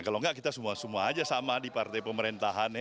kalau enggak kita semua semua aja sama di partai pemerintahannya